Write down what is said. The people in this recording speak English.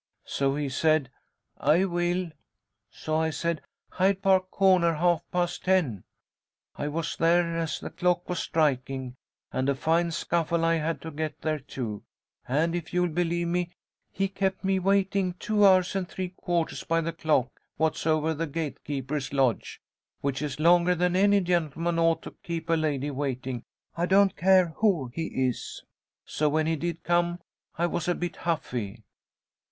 So he said, 'I will.' So I said, 'Hyde Park Corner, half past ten.' I was there as the clock was striking, and a fine scuffle I had to get there too; and, if you'll believe me, he kept me waiting two hours and three quarters by the clock what's over the gatekeeper's lodge which is longer than any gentleman ought to keep a lady waiting, I don't care who he is. So when he did come, I was a bit huffy.